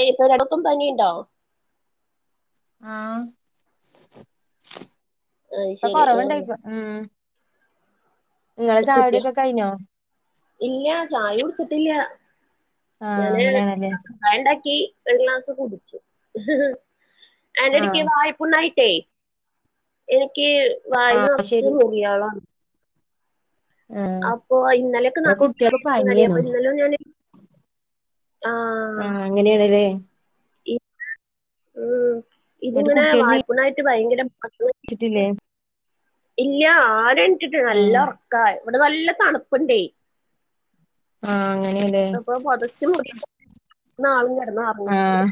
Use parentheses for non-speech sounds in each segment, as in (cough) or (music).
യ് ഇപ്പൊ ഇടക്കും പനിയുണ്ടോ ആഹ് ആഹ് ഇപ്പ ശരി ആഹ് കൊറവണ്ടായിക്ക ഉം ഇങ്ങളെ ചായകുടി കുട്ടിയ ഒക്കെ കഴിഞ്ഞോ ഇല്ല ചായ കുടിച്ചിട്ടില്ല ആഹ് ഞാന് അങ്ങനെയാണല്ലേ ചായ ഇണ്ടാക്കി ഒരു ഗ്ലാസ് കുടിച്ചു അന്റെ ഇടക്ക് ആഹ് വായ്പുണ്ണയിട്ടേ എനിക്ക് വായിൽ അത് നറച്ച് ശരി മുറിയളാണ് ആഹ് അപ്പൊ ഇന്നലെക്കെ ഇവിടെ നല്ല കുട്ടികൾക്ക് മഴയുണ്ടായിരുന്നു പനിയേനു അപ്പൊ ഇന്നലെ ഒന്നും ഞാൻ ആഹ് അങ്ങനെ വരെ (unintelligible) എന്നിട്ട് ഇതിങ്ങനെ കുട്ടികൾ വായ്പുണായിട്ട് ഭയങ്കര നീച്ചിട്ടില്ലേ - ഇല്ല ആരെ എണിട്ടിട്ട് നല്ല ആഹ് ഒറക്ക ക്കാ ഇവിടെ നല്ല തണുപ്പ് ഉണ്ടെ ആഹ് അങ്ങനെ അപ്പൊ പൊതച്ചു മൂടി (unintelligible) ആഹ്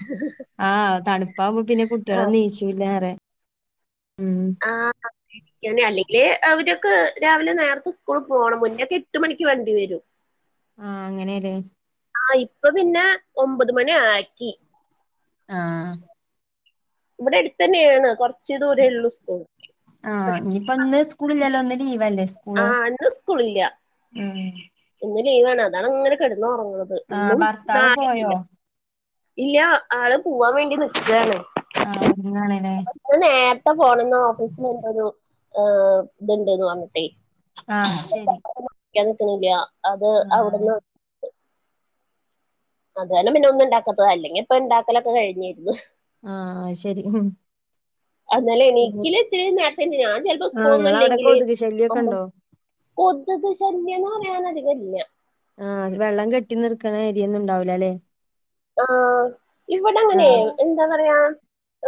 ആഹ് തണുപ്പാവുമ്പോ പിന്നെ കുട്ടികളൊ ആഹ് നീച്ച് പിന്നേറെ ഉം ആഹ് അല്ലെങ്കിൽ അവരൊക്കെ രാവിലെ നേരത്തെ സ്കൂളിൽ പോകണം മുന്നൊക്കെ എട്ട് മണിക്ക് വണ്ടി വരും ആഹ് അങ്ങനെയല്ലേ ആഹ് ഇപ്പ പിന്നെ ഒമ്പത് മണി ആക്കി ആഹ് ഇവിടെ അടുത്ത് തന്നെണ് കൊറച്ച് ദൂര ഉള്ളു സ്കൂൾ ആഹ് പക്ഷെ ഇനിപ്പ ഇന്ന് സ്കൂള് ഇല്ലല്ലോ ഇന്ന് ലീവല്ലെ ആ സ്കൂള്, ഇന്ന് സ്കൂളില്ല ഉം ഇന്ന് ലീവാണ് അതാണ് അങ്ങനെ കിടന്ന ഉറങ്ങുന്നത് ആഹ് ഇന്നും ഭർത്താവ് നാളേം പോയോ (unintelligible) ഇല്ല ആള് പോവാൻ വേണ്ടി നിക്കാണ് ആഹ് ഒറങ്ങാണല്ലേ ന്ന് നേരത്തെ പോണം ന്ന് ഓഫീസിൽ എന്തോരു ഇത്ണ്ടന്ന അന്നിട്ടേ ആഹ് ശരി ൻ നിക്കുന്നില്ല അത് ആഹ് അവിടുന്ന് അത് കാരണം പിന്നെ ഒന്നു ഉണ്ടാക്കാത്തത അല്ലെങ്കി ഇപ്പ ഉണ്ടാക്കലൊക്കെ കഴിഞ്ഞിരുന്നു ആഹ് ശരി അനാല് പിന്നെ എനീക്കല് ഇത്രയും നേരെത്തെനി ഞാൻ ചിലപ്പോ ആഹ് സ്കൂളൊന്നും ഇങ്ങളവിടെ ഇല്ലെങ്കില് കൊതുക് ശല്യൊക്കെ ഉണ്ടോ? കൊതുകു ശല്യന്ന് പറയാനധികല്ല്യ ആഹ് വെള്ളം കെട്ടി നിർക്കണ ഏരിയൊന്നുംണ്ടാവൂല അല്ലേ ആഹ് ഇവിടെ അങ്ങനെ ആഹ് എന്താ പറയാ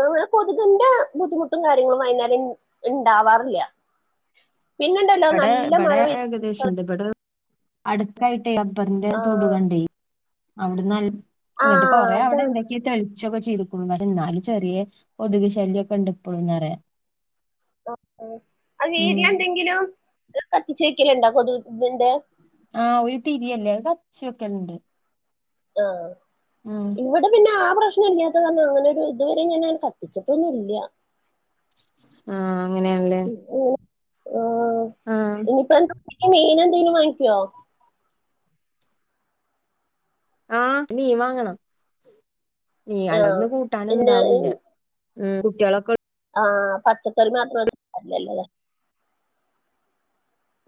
മ്മൾ കൊതുകിന്റെ ബുദ്ധിമുട്ടും കാര്യങ്ങളും വൈന്നേരം ഇണ്ടാവാറില്ല്യ പിന്നെണ്ടല്ലോ നല്ല മഴ ഇവിടെ അടുത്തായിട്ടേ റബറിന്റെ തൊട് ആഹ് കണ്ടേ അവിടെന്ന ഇങ്ങിട്ട് ആഹ് കൊറെ അതാണ് അവിടെന്ത തളിച്ചൊക്കെ ചെയ്തുക്ണു എന്നാലും ചെറിയ കൊതുക് ശല്യൊക്കെ ഉണ്ട് ഇപ്പോഴുന്ന് പറയ ആ അ ഉം വീതിയോന്തെങ്കിലും കത്തിച്ച് വെക്കലുണ്ടോ കൊതു ഇതിന്റെ ആഹ് ഒരു തിരിയല്ലേ കച്ചൊക്കെണ്ട് ആഹ് ഇവിടെ പിന്നെ ആ പ്രശ്നല്ല കാരണം അങ്ങനൊ ഒരു ഇതുവരെ ഞാനങ്ങനെ കത്തിച്ചിട്ടൊന്നും ഇല്ല്യ ആഹ് അങ്ങനെയാണല്ലേ ആഹ് ആഹ് ഇനിയിപ്പ എന്ത (unintelligible) മീന എന്തെേങ്കിലും വാങ്ങിക്കോ ആഹ് മീൻ വാങ്ങണം നീ ആഹ് അലന്ന് കൂട്ടാന് പിന്നെ ഇണ്ടാവൂല്ല കുട്ടോളോ ആഹ് പച്ചക്കറി മാത്ര (unintelligible)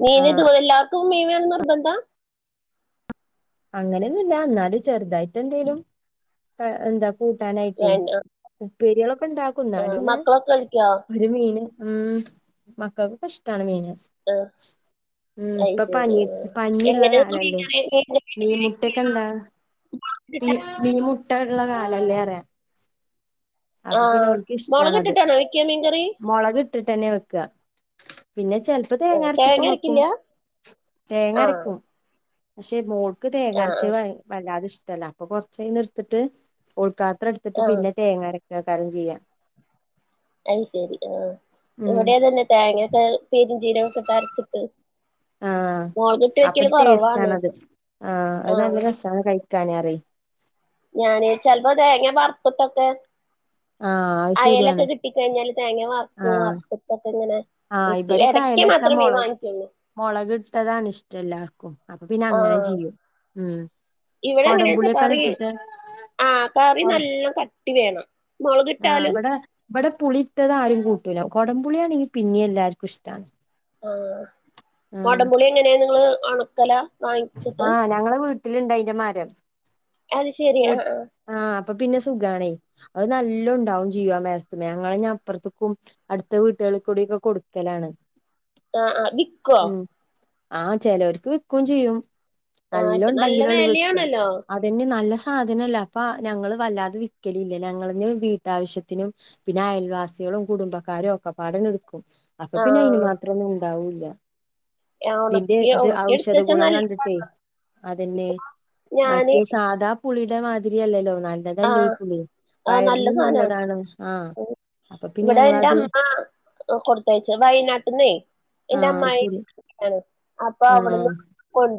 മീന് ഇ ദ എല്ലാവർക്കും മീനേണന്ന് നിർബന്ധ അങ്ങനെയൊന്നുല്ല ന്നാലും ചെറുതായിട്ട് എന്തേലും എന്താ കൂട്ടാനായിട്ടേ വേണ്ട ഉപ്പരികളൊക്കെ ഇണ്ടാക്കും ആഹ് ന്നാലൊന്ന് മക്കളൊക്കെ കഴിക്കോ ഒരു മീന് ഉം മക്കൾക്കൊക്കെ ഇഷ്ടമാണ് മീൻ ആഹ് ഉം അയ് ഇപ്പ ശരി പനി പനിള്ള എങ്ങനെ കാലല്ലേ മീൻകറി മീൻകറി മീൻമുട്ടക്കെണ്ടാ മീ മീൻമുട്ടള്ള കാലല്ലെറയ അപ്പൊ പിന്നെ ആഹ് ഓൽക് ഇഷ്ടാണത് മൊളകിട്ടിട്ടാണോ വെക്കാ മീൻകറി മുളക്ക ഇട്ടിട്ടന്നെ വെക്ക പിന്നെ ചെ ഇപ്പൊ തേങ്ങ ആഹ് അരച്ചിട്ടും വെക്കും അരക്കില്ല തേങ്ങ ആഹ് അരക്കും പക്ഷെ മോൾക്ക് ആഹ് തേങ്ങാരച്ചേ ആഹ് വല്ലാതിഷ്ടല്ല അപ്പൊ കൊറച്ചയ്ന്നട്ത്തിട്ട് ഓൾക്കാത്രട്ത്തിട്ട് ആഹ് പിന്നെ തേങ്ങരക്ക (unintelligible) ചെയ്യാം അയ്സെരി ആ ഉം ഇവിടിഅതന്നെ തേങ്ങക്കെ പേരിചീരകക്കെട്ട് അരച്ട്ട് ആ അപൊ ടേസ്റ്റ് കൊറവാണ് ആണത് ആ അഹ് ആഹ് നല്ല രസാൻ കഴിക്കാനറിയയ് ഞാന് ചെൽപ്പോ തേങ്ങിയ വർത്ട്ടൊക്കെ ആഹ് അത് ശരിയാണ് അയലൊക്കെ കിട്ടിക്കഴിഞ്ഞാല് തേങ്ങ വറക്കും ആഹ് വർത്ട്ടക്കെ ങ്ങനെ ആഹ് ഇബടെകെ അയലട്ട മൊളക് മൊളക്ട്ടതാാണ് ഷ്ടം ലാർക്കും അപ്പൊ പിന്നെ അങ്ങനെ ചെയ്യും ഉം ഇവടെ ങ്ങനെച്ച കൊടംപുളിയൊക്കെ കറി ഇട്ടിട്ട് ആ കറി നല്ല കട്ടി വേണം ആ മുളകിട്ടാലും ബടെ ബടെ പുളി ട്ടതാരും കൂട്ടൂല കൊടം പുളിയാണെങ്കി പിന്നിം എല്ലാർക്കും ഇഷ്ടാണ് ആ ആഹ് കോടമ്പുലി ങ്ങനേ ങ്ങള് ഒണക്കല ആഹ് ഞങ്ങളെ വീട്ടില്ണ്ട് അയ്ന്റെ മരം അത് ശരി അ ആ ആ അപ്പൊ പിന്നെ സുഖണേയ് അഹ് നല്ലോന്ണ്ടാവും ചെയും ആ മരത്ത്മേ ഞങ്ങളെഞപ്പറത്ക്കും അട്ത്ത വീട്ടൊളികൂടിക്കെ കൊടുക്കലാണ് അ ആ വിക്കോ ആ ചെലോർക്ക് വിക്കും ചെയ്യും ആഹ് നല്ല ഇപ്പൊ ഉണ്ടെങ്കിലള്ളു വിക്ക വിലയാണല്ലോ പിന്നെ നല്ല സാധനല്ലെ അപ്പൊ ഞങ്ങൾ വല്ലാതെ വിക്കലില്ല ഞങ്ങളന്നെ വീട്ടാവശ്യത്തിനും പിന്നെ അയൽവാസിയേലും കുടുംബക്കാരും ഒക്കെപാടെണ്ട്ട്ക്കും അപ്പൊ പിന്നെ അയ്ന് ആഹ് മാത്രം ന്നുംണ്ടാവൂല്ല തിന്റെ ഉണക്കി ത് ഉണക്കി എടുത്ത് ഔഷധ വെച്ചാ ഗുണം നല്ല കണ്ട്ട്ട് അതന്നെ ഞാന് മറ്റേ സാധാ പുളിടെ മാതിരിയലലോ നല് നല്ലതല്ലേ ആഹ് ഇപ്പുള്ളി ആഹ് നല്ല വയറിനും നല്ലതാണ് ആഹ് അപ്പൊ പിന്നെ ഇവടെ എന്റെ ഞങ്ങളത് അമ്മ കൊടുത്തയച് വയ്നാട്ട് ന്നേയ് ന്റെ ആഹ് അമ്മായി ശരി അപ്പൊ അവ്ട്ന്ന്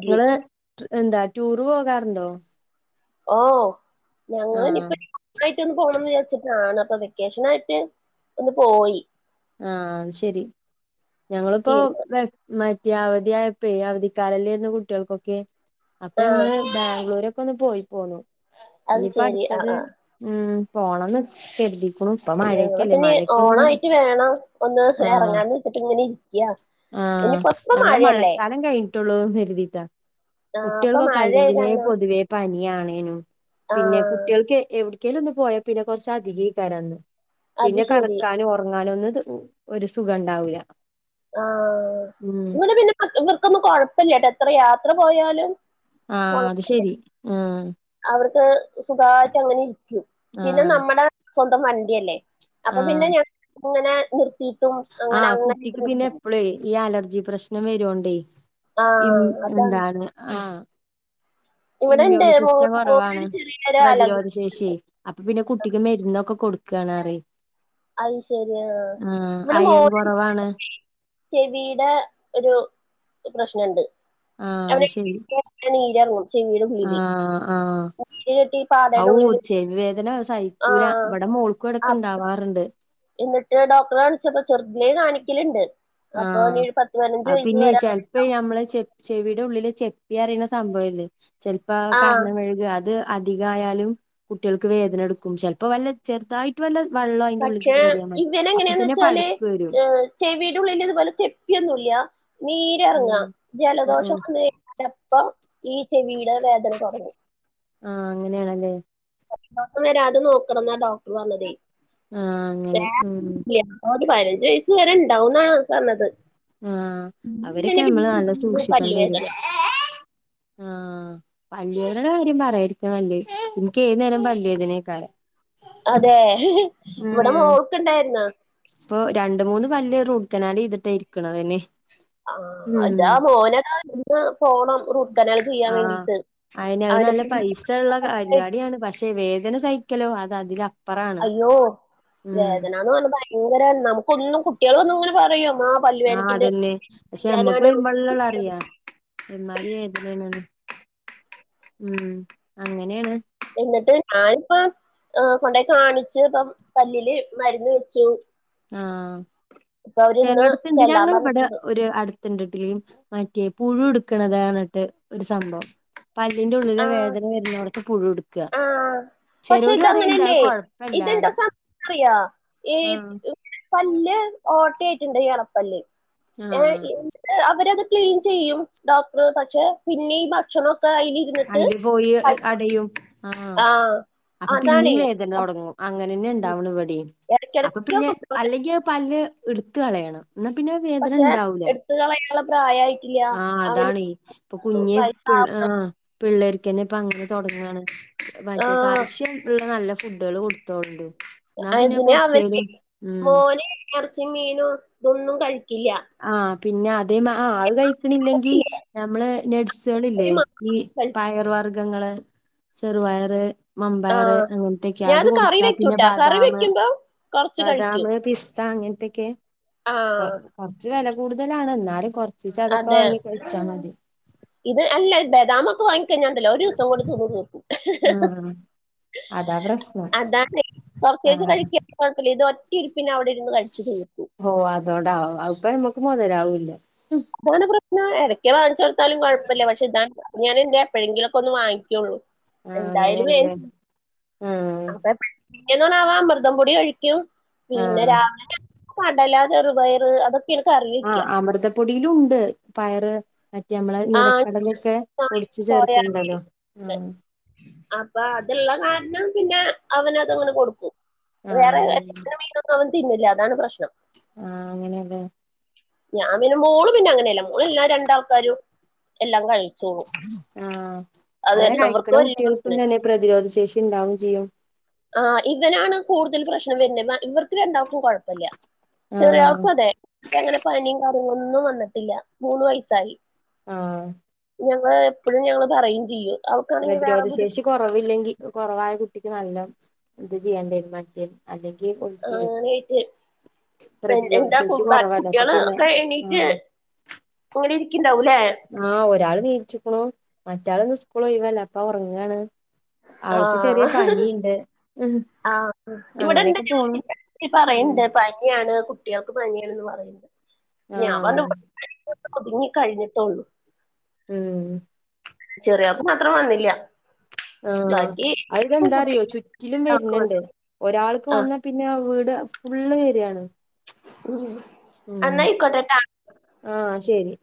ങ്ങള് ന്താ റ്റൂറ് പോകാറുണ്ടോ ഓ ആഹ് ഞങ്ങൾഞ്ഞ്പ്പന് ആയിട്ടൊന്ന് പോണംന്ന് വിചാച്ചിട്ടാണ് അപ്പൊ വെക്കേഷൻ ആയിട്ട് ഒന്ന് പോയി ആ അത് ശരി ഞങ്ങള്പ്പോ പിന്നെ വെ മറ്റേ ഇ അവധി ആയപെ അവധിക്കാലലേന്ന് കുട്ടിയാൾക്കൊക്കെ അപ്പൊ ആഹ് ഞങ്ങള് ബാംഗ്ലൂരൊക്കെ ഒന്ന് പോയി പോന്നു അത് ഇനിപ്പോ ശെരി ആഹ് അടുത്തത് ആഹ് ഉം പോണന്ന് കെര്തികുണു ഇപ്പൊ ഞങ്ങള് മഴക്കല്ലേ പിന്നെ മഴക്കൊന്ന് ഓണായിട്ട് വേണം ഒന്ന് ഇറങ്ങാന്ന് വെച്ചിട്ട് ങ്ങനെ ഇരിക്കിയാ ആ ഞങ്ങൾ മഴക്കാലം കഴിഞ്ഞിട്ടുള്ളൂന്ന് രുതീട്ടാ ആഹ് ഇപ്പൊ കുട്ടിയൽക്കൊക്കെ മഴയായ അല്ലെങ്കിലേ കാരണം പൊതുവേ പനിയണേനും പിന്നെ ആഹ് കുട്ടികൾക്ക് എവ്ട് ക്കേലും ഒന്ന് പോയാ പിന്നെ കൊറച്ച് അധികെകാരംഅന്ന് അത് പിന്നെ ശെരി കടക്കാനും ഒറങ്ങാനും ഒന്ന് ഒരു സുഖം ഉണ്ടാവുല ആ എന്നിട്ട് പിന്നെ വർക്കൊന്നും കൊഴപ്പല്ലട്ടോ എത്ര യാത്ര പോയാലും ആഹ് കൊഴ അത്ശരി ആഹ് അവർക്ക് സുഖായിട്ട് അങ്ങനെ ഇരിക്കും പിന്നെ ആഹ് നമ്മടെ സ്വന്തം വണ്ടി അല്ലേ അപ്പൊ ആഹ് പിന്നെ ഞ ങ്ങനെ നിർത്തിട്ടും അങ്ങനെ ആഹ് അങ്ങനെ കുട്ടിക്ക് പിന്നെ (unintelligible) എപ്പളേ ഈ അലർജി പ്രശ്നം വരുടെയ് ആ ഉം അതാണ് എന്താണ് ആഹ് ഇവിടെണ്ട് ഇമ്മ്യൂണി സിസ്റ്റം കൊറവാണ് മോനൊരു ചെറിയൊരു അലർജി പ്രതിരോധ ശേഷി അപ്പൊ പിന്നെ കുട്ടിക്ക് മെര്ന്നൊക്കെ കൊടുക്കണാറേയ് അഹ്ശരി ആ വടെ അയൺ മോന് കൊറവാണ് ചെവീടെ ഒരു പ്രശ്നണ്ട് ആഹ് അയ്ശരി നല്ലനീരങ്ങും ചെവീടെ ഉള്ളിൽ ആഹ് ആഹ് പ്പോ നീര്കെട്ടീ ഔ ചെവി വേദന സൈക്കൂല വടെ മോൾക്കുംടെക്ക് അപ് ഇണ്ടാവാറുണ്ട് എന്നിട്ട് ഡോക്ടറെ കാണിച്ചപ്പോ ചെറുദിലേ കാണിക്കെല്ണ്ട് അപ്പൊ ന് പത്ത് പതിനഞ്ച് വയസ്സ് വരെ ഇപ്പൊ നമ്മള് ചെ ചെവിയുടെ ഉള്ളില് ചെപ്പി അറിയുന്ന സംഭവംല്ലേ ചെിലപ്പോ ആ കർണ മെഴുക അത് അധികയാലും കുട്ടികൾക്ക് വേദന എടുക്കും ചിലപ്പോ വല്ല ചെറുതായിട്ട് വല്ല വെള്ളം അതിന്റെറെ ഉള്ളിക്ക് പക്ഷെ കേറിയൻ മതി അപ്പ തന്നെ പഴുപ്പ് വരും ചെവീടുള്ളിൽ ഇതുപോലെ ചെപ്പിയൊന്നുല്ല നീരിറങ്ങാ ഉം ആഹ് ജലദോഷം ആഹ് വന്ന് അപ്പം ഈ ചെവിയുടെ വേദന തൊടങ്ങും ആഹ അങ്ങനെയാണല്ലേ ദൊവസം വരാതെ നോക്കണം എന്നാ ഡോക്ടർ പറഞ്ഞതേ ആഹ് അങ്ങനെ ഉം വേറെ ആ ഒരു പതിനഞ്ച് വയസ്സ് വരെ ഉണ്ടാവന്നാണ് പറഞ്ഞത് ആ അവരൊക്കെ പിന്നെ നമ്മള് നല്ല പിന്നെ സൂക്ഷിക്കണ്ടി വരും പല്ലുവേദന ആഹ് പല്ല് വേദനയുടെ കാര്യം പറയാരിക്ക നല്ലത് ഇന്ക് ഏന്നേരം പല്ല് വേദനെക്കാരം അതെ ഇവിടെ ഉം മോൾക്കുണ്ടായിരുന്നു ഇപ്പൊ രണ്ട മൂന്ന് പല്ല് റൂട്ട് ക്കനാൽ ചെയ്തിട്ടായിരിക്കണ അതെ ആ അതാ മോനൊക്കെ നിന്ന് പോണം റൂട്ട് കനാൽ ചെയ്യാൻ ആഹ് വേണ്ടിയിട്ട് അയിന് അത് അവനെ നല്ല പൈസ ഉള്ള പരിപാടിയാണ് പക്ഷെ വേദന സഹിക്കലോ അത അതില അയ്യോ വേദനന്ന് പറഞ്ഞ ഭയങ്കര നമുക്കൊന്നും കുട്ടികള ഒന്നും ഇങ്ങനെ പറയും ആഹ പല്ലുവേദനയ്ക്ക് അതന്നെ പക്ഷെ അമ്മക്ക് ഞാനാണ് വരുമ്പോള്ളള്ള നോക്കിയത് അറിയാ എ്മാതി വ ഉം അങ്ങനെയാണ് എന്നിട്ട് ഞാനിപ്പ കൊണ്ടയി കാണിച്ചു ഇപ്പൊ പല്ലില് മരുന്ന് വെച്ചു ആ ഇപ്പൊ അവരിന്ന് ചെലയിടത്ത്ണ്ട് ചെല്ലാൻ ഞങ്ങൾ ഇവിടെ പറഞ്ഞിട്ടുണ്ട് ഒരു അടുത്ത് ത്തിട്ടിലും മാറ്റിയ പുഴു എടുക്കണത എന്നിട്ട് ഒരു സംഭവം പല്ലിന്റെ ഉള്ളിലെ ആഹ് വേദന വരുന്നോടത് പുഴു ഉടുക്ക ആഹ് പക്ഷെ ചെലേരു പറയിണ്ട് അത് ഇതങ്ങനെയല്ലേ ഇതെന്താ കൊഴപ്പല്ലാന്ന് അറിയാ ഈ ആഹ് പല്ല് ഓട്ടായിട്ടുണ്ട് ണപ്പല്ല് ഹേ ആഹ് അവരത് ക്ലീൻ ചെയ്യും ഡോക്ടർ പക്ഷെ പിന്നെഈ ഭക്ഷണൊക്കെ അയിൽ അയിൽ പോയി അടയും ആ ആഹ് അപ്പൊ പിന്നീ അതാണേ വേദ ന തുടങ്ങും അങ്ങനെന്നെ ഇണ്ടാവണം ഇവിടിം അപ്പൊ എടക്കെടക്ക് പിന്നെ കൊണ്ടോവല അല്ലെങ്കിൽ പല്ല് ഇട്ത്ത് കളയണം ന്നാ പിന്നെ വേദന പക്ഷെ ഉണ്ടാവൂല എടുത്ത് കളയാനുള്ള പ്രായായിട്ടില്ല ആഹ് അവന് അതാണെ ഇപ്പൊ കുഞ്ഞി വയസ്സാ ആ പിള്ളേർക്കന്നെ ഇപ്പ അങ്ങനെ തൊടങ്ങാണ് മറ്റെ ആഹ് കർശ്യ ഉള്ള നല്ല ഫുഡുകള് കൊടുത്തോണ്ട് എന്നാ പിന്നെ അതിന് അവന് കൊറച്ചേലും ഉം മോൻ ഇറച്ചി മീനും ഇതൊന്നും കഴിക്കില്ല ആഹ പിന്നെ അതേ അത് കഴ പിന്നെല്ലെങ്കിൽ നമ്മള് ഒരു നഡ്സുകളില്ലേ മാസം ഈ കഴിക്കും പയർ വർഗ്ഗങ്ങള് ചെറുപയർ മമ്പായർ ആഹ് അങ്ങനത്തൊക്കെ അത് ഞാനത് കറി കൊടുതാ പിന്നെ വെക്കൂട്ടാ കറി ബാദാം വെക്കുമ്പോ കൊറച്ച് ബദാം കഴിക്കും പിസ്ത അങ്ങന തെകെ കൊ ആഹ് കൊറച്ച് വെല കൂടുതലാണ് എന്നാലും കൊറച്ച് ച അതൊക്കെ അതെ വാങ്ങി കഴിച്ചാൽ മതി ഇത് അല്ല ബദാമൊക്കെ വാങ്ങിക്കഴിഞ്ഞാണ്ടല്ലോ ഒരു ദിവസം കൊണ്ട് തിന്ന് തീർക്കും അതാ പ്രശ്നം അതണ് കൊറചീച്ച ആഹ് കഴിക്ക കുഴപ്പമില്ല ഇത് ഒറ്റിരിപ്പി അവിടെ ഇരുന്ന് കഴിച്ച് തീർക്കൂ ഓ അതൊണ്ട് അത്പ്പൊ ഞമ്മക്ക് മൊതലാവുല്ല ഇതാണ് പ്രശ്നം ഇടയ്ക്കെ വാങ്ങി ച്ചെടുത്താലും കൊഴപ്പല്ല പക്ഷെ ഇത ഞാന എന്താ എപ്പോഴെങ്കിലൊക്കെ ഒ വാങ്ങിക്കൊള്ളൂ ആഹ് എന്തായാലും അങ്ങനെയാണല്ലേ ആഹ് അപ്പ പിന്നെന്ന് പറാവാ മൃതം പൊടി ഒഴിക്കും പിന്നെ ആഹ് രാവിലെ കടല്ലാ ചെറുപയറ് അതൊെ ആ അമൃതപ്പൊടിയിലുംണ്ട് പയറ് നമ്മള ആ നിലക്കടലൊക്കെ പൊടിച്ചു സോയാബീൻ ചേർക്കണ്ടല്ലോ ആ ഉണ്ട് അപ്പൊ അതുള്ള കാരണം പിന്നെ അവൻ അതങ്ങനെ കൊടുക്കും വേറെ ആഹ് ചിക്കനും മീനൊന്നും അവൻ തിന്നില്ല. അതാണ് പ്രശ്നം ആ അങ്ങനെ എല്ലേ ഞാൻ പിന്നെ! മോള് പിന്നെ അങ്ങനെയല്ല മോളല്ലാ രണ്ടാ ആൾക്കാരും എല്ലാം കഴി ആ അങ്ങനെ അവർക്ക് കഴിക്ക്ണ വലിയ കുട്ട്യൾക്കും പ്രശ്നം തന്നെ പ്രതിരോധ ശേഷി ഉണ്ടാവും ചെയ്യും ആ ഇവനാണ് കൂടുതൽ പ്രശ്നം വരുന്നെ ഇവർക്ക് രണ്ടാൾക്കും കുഴപ്പല്ല ചെറിയ ആഹ് ആൾക്കും അതെ അങ്ങനെ പനിയും കാര്യങ്ങൾ ഒന്നും വന്നിട്ടില്ല മൂന്ന് വയസായി ആ ഞങ്ങള് എപ്പെഴും ഞങ്ങള് പറയും ചെയ്യും അവൾക്കാണെങ്കിൽ വേറെ പ്രതിരോധശേഷി കുറവില്ലെങ്കിൽ കുറവായ കുട്ടിക്ക് നല്ല ഇത് ചെയ്യേണ്ടി വരും മറ്റേ അല്ലെങ്കിൽ (unintelligible) പ്രതിരോധ ഇപ്പൊന്റെ ശേഷി കുടുംബ കുറവല്ലേ അപ്പൊ കുട്ടികള് പിന്നെ ഒക്കെ എണീറ്റ് ആഹ് ഇങ്ങനെ ഇരിക്കിണ്ടാവുല്ലേ ആ ഒരാള് നീച്ചിക്കുണു മറ്റാള് ഇന്ന് സ്കൂള് ഒഴിവല്ലെ അപ്പൊ ഒറങ്ങാണ് ആ ഇഹ് ഉം ആ അങ്ങനെയൊക്കെ ഇവിടെണ്ട്ഞാൻ പോണു (unintelligible) ഉം പറയണ്ട് പനിയാണ് കുട്ടികൾക്ക് പനിയാണന്നു പറഞ്ഞു ഞാൻ പറഞ്ഞു ആഹ് ഇഞ്ഞി കഴിഞ്ഞിട്ടൊള്ളൂ മ് ചെറിയാൾക്ക് മാത്രം വന്നില്ല്യ ആ അതെന്താ കുട്ടി അറിയോ ചുറ്റിലും വര്ന്ണ്ട് ഒരാൾക്ക് ആഹ് വന്നാൽ പിന്നെ വീട് ഫുള്ള് വരാണ് (inaudible) ഉം എന്നായിക്കോട്ടെ ആ ശരി